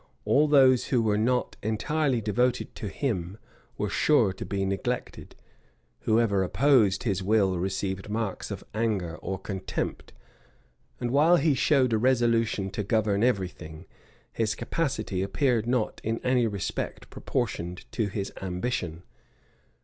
All those who were not entirely devoted to him were sure to be neglected; whoever opposed his will received marks of anger or contempt;[] and while he showed a resolution to govern every thing, his capacity appeared not in any respect proportioned to his ambition.